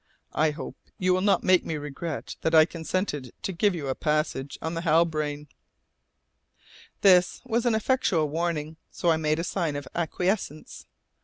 I hope you will not make me regret that I consented to give you a passage on the Halbrane." This was an effectual warning, so I made a sign of acquiescence.